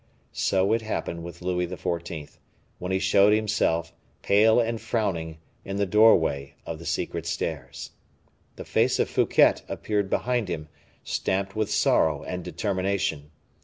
So it happened with Louis XIV., when he showed himself, pale and frowning, in the doorway of the secret stairs. The face of Fouquet appeared behind him, stamped with sorrow and determination.